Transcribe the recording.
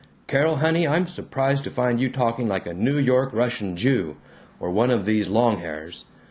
Carol, honey, I'm surprised to find you talking like a New York Russian Jew, or one of these long hairs!